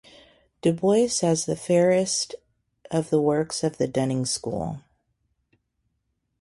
Du Bois as the fairest of the works of the Dunning School.